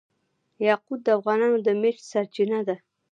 یاقوت د افغانانو د معیشت سرچینه ده.